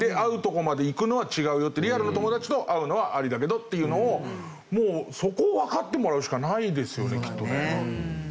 リアルな友達と会うのはありだけどっていうのをもうそこをわかってもらうしかないですよねきっとね。